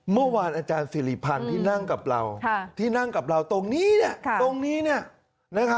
เมื่อวานอาจารย์สิริพันธ์ที่นั่งกับเราที่นั่งกับเราตรงนี้ตรงนี้